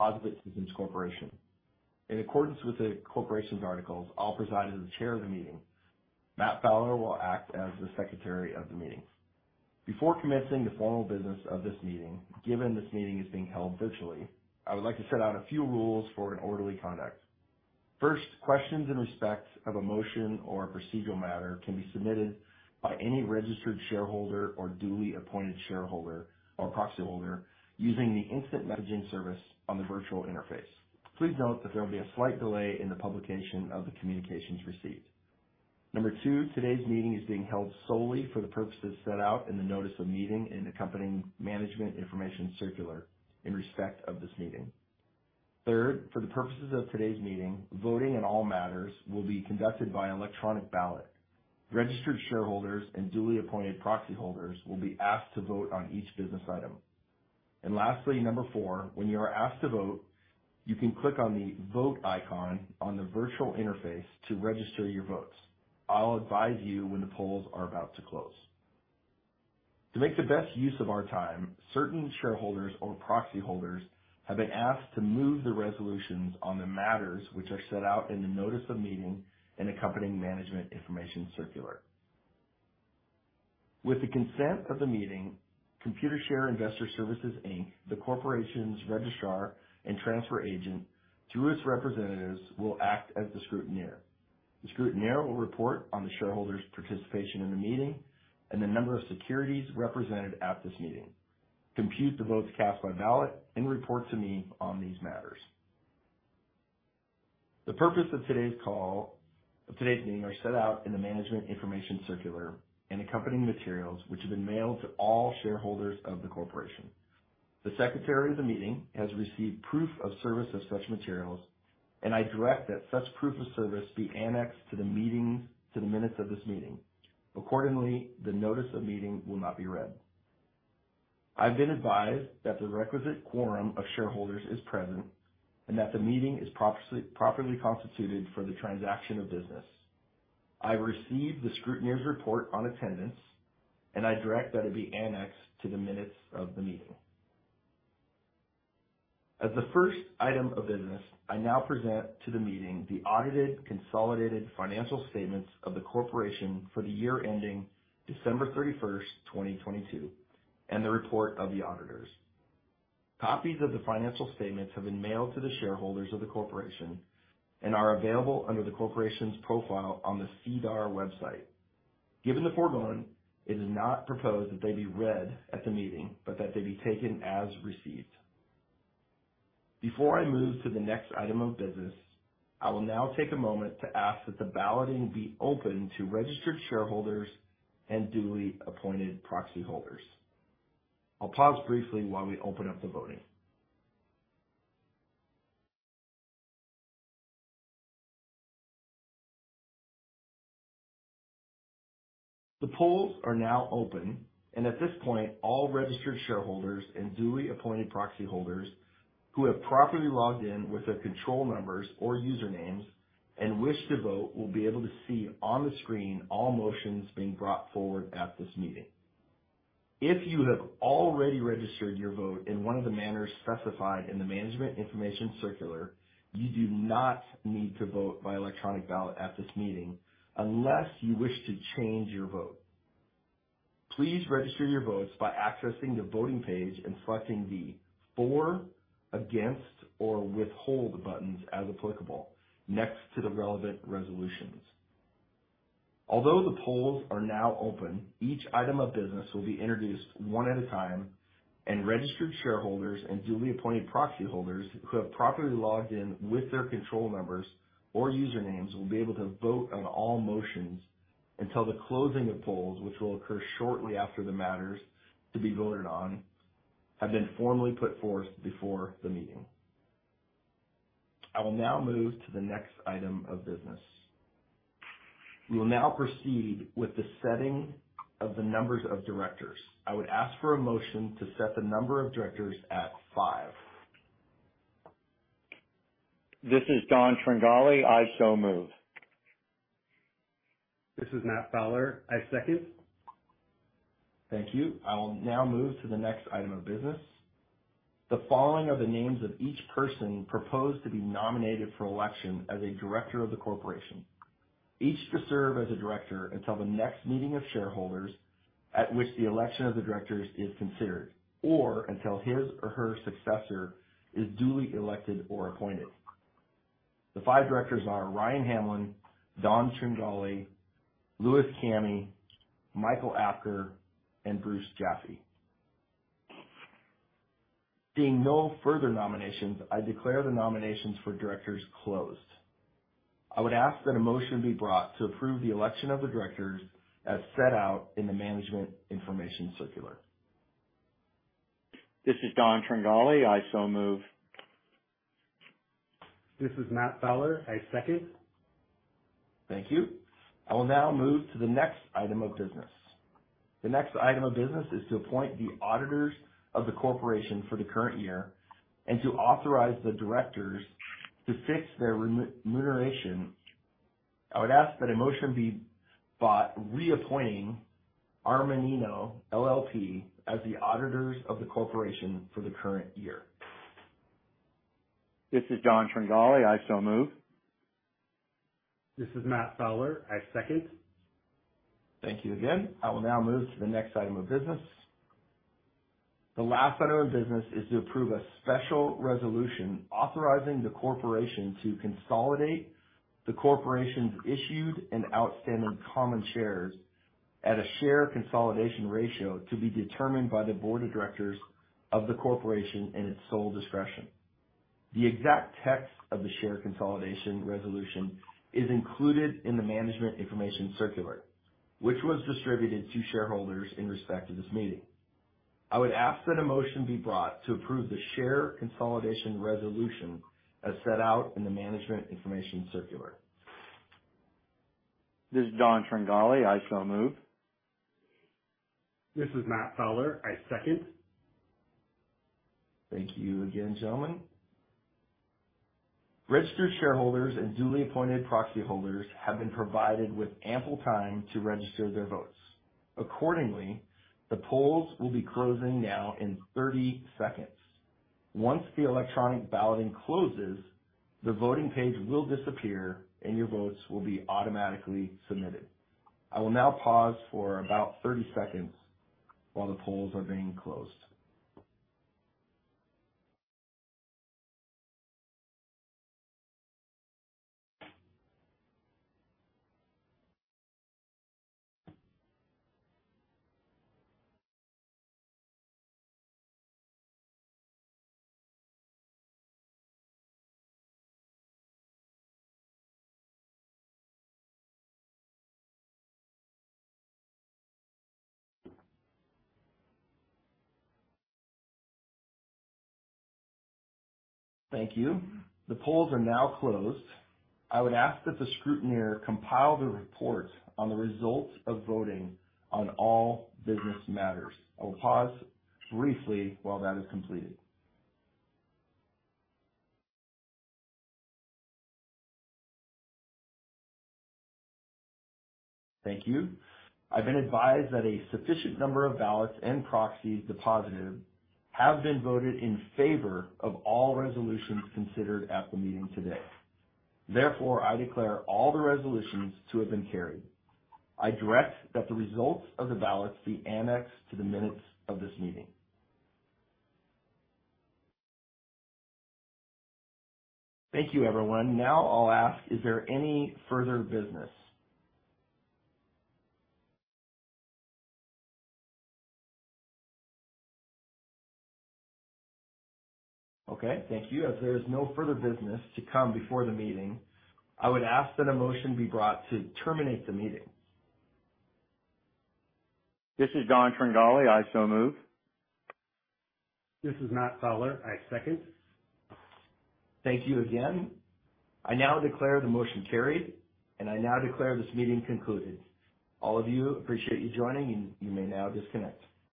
POSaBIT Systems Corporation. In accordance with the corporation's articles, I'll preside as the chair of the meeting. Matt Fowler will act as the secretary of the meeting. Before commencing the formal business of this meeting, given this meeting is being held virtually, I would like to set out a few rules for an orderly conduct. First, questions in respect of a motion or a procedural matter can be submitted by any registered shareholder or duly appointed shareholder or proxyholder using the instant messaging service on the virtual interface. Please note that there will be a slight delay in the publication of the communications received. Number two, today's meeting is being held solely for the purposes set out in the notice of meeting and accompanying management information circular in respect of this meeting. Third, for the purposes of today's meeting, voting on all matters will be conducted by an electronic ballot. Registered shareholders and duly appointed proxyholders will be asked to vote on each business item. Lastly, number 4, when you are asked to vote, you can click on the Vote icon on the virtual interface to register your votes. I'll advise you when the polls are about to close. To make the best use of our time, certain shareholders or proxyholders have been asked to move the resolutions on the matters which are set out in the notice of meeting and accompanying management information circular. With the consent of the meeting, Computershare Investor Services Inc., the corporation's registrar and transfer agent, through its representatives, will act as the scrutineer. The scrutineer will report on the shareholders' participation in the meeting and the number of securities represented at this meeting, compute the votes cast by ballot, and report to me on these matters. The purpose of today's meeting, are set out in the management information circular and accompanying materials, which have been mailed to all shareholders of the corporation. The Secretary of the meeting has received proof of service of such materials, and I direct that such proof of service be annexed to the minutes of this meeting. The notice of meeting will not be read. I've been advised that the requisite quorum of shareholders is present and that the meeting is properly constituted for the transaction of business. I received the scrutineer's report on attendance, and I direct that it be annexed to the minutes of the meeting. The first item of business, I now present to the meeting the audited consolidated financial statements of the corporation for the year ending December 31, 2022, and the report of the auditors. Copies of the financial statements have been mailed to the shareholders of the corporation and are available under the corporation's profile on the SEDAR website. Given the foregoing, it is not proposed that they be read at the meeting, but that they be taken as received. Before I move to the next item of business, I will now take a moment to ask that the balloting be opened to registered shareholders and duly appointed proxyholders. I'll pause briefly while we open up the voting. The polls are now open, and at this point, all registered shareholders and duly appointed proxyholders who have properly logged in with their control numbers or usernames and wish to vote, will be able to see on the screen all motions being brought forward at this meeting. If you have already registered your vote in one of the manners specified in the management information circular, you do not need to vote by electronic ballot at this meeting unless you wish to change your vote. Please register your votes by accessing the voting page and selecting the For, Against, or Withhold buttons, as applicable, next to the relevant resolutions. Although the polls are now open, each item of business will be introduced one at a time, and registered shareholders and duly appointed proxyholders who have properly logged in with their control numbers or usernames, will be able to vote on all motions until the closing of polls, which will occur shortly after the matters to be voted on have been formally put forth before the meeting. I will now move to the next item of business. We will now proceed with the setting of the numbers of directors. I would ask for a motion to set the number of directors at 5. This is Don Tringali. I so move. This is Matt Fowler. I second. Thank you. I will now move to the next item of business. The following are the names of each person proposed to be nominated for election as a director of the corporation, each to serve as a director until the next meeting of shareholders at which the election of the directors is considered, or until his or her successor is duly elected or appointed. The five directors are Ryan Hamlin, Don Tringali, Louis Camhi, Mike Apker, and Bruce Jaffe. Seeing no further nominations, I declare the nominations for directors closed. I would ask that a motion be brought to approve the election of the directors as set out in the management information circular. This is Don Tringali. I so move. This is Matt Fowler. I second. Thank you. I will now move to the next item of business. The next item of business is to appoint the auditors of the corporation for the current year, and to authorize the directors to fix their remuneration. I would ask that a motion be brought reappointing Armanino LLP as the auditors of the corporation for the current year. This is Don Tringali. I so move. This is Matt Fowler. I second. Thank you again. I will now move to the next item of business. The last item of business is to approve a special resolution authorizing the corporation to consolidate the corporation's issued and outstanding common shares at a share consolidation ratio to be determined by the board of directors of the corporation in its sole discretion. The exact text of the share consolidation resolution is included in the management information circular, which was distributed to shareholders in respect to this meeting. I would ask that a motion be brought to approve the share consolidation resolution as set out in the management information circular. This is Don Tringali. I so move. This is Matt Fowler. I second. Thank you again, gentlemen. Registered shareholders and duly appointed proxy holders have been provided with ample time to register their votes. Accordingly, the polls will be closing now in 30 seconds. Once the electronic balloting closes, the voting page will disappear and your votes will be automatically submitted. I will now pause for about 30 seconds while the polls are being closed. Thank you. The polls are now closed. I would ask that the scrutineer compile the report on the results of voting on all business matters. I will pause briefly while that is completed. Thank you. I've been advised that a sufficient number of ballots and proxies deposited have been voted in favor of all resolutions considered at the meeting today. Therefore, I declare all the resolutions to have been carried. I direct that the results of the ballots be annexed to the minutes of this meeting. Thank you, everyone. Now I'll ask, is there any further business? Okay. Thank you. As there is no further business to come before the meeting, I would ask that a motion be brought to terminate the meeting. This is Don Tringali. I so move. This is Matt Fowler. I second. Thank you again. I now declare the motion carried, and I now declare this meeting concluded. All of you, appreciate you joining, and you may now disconnect.